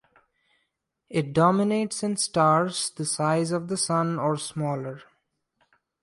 It dominates in stars the size of the Sun or smaller.